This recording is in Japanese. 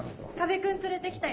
君連れてきたよ。